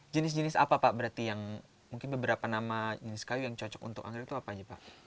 jenis jenis apa pak berarti yang mungkin beberapa nama jenis kayu yang cocok untuk anggrek itu apa aja pak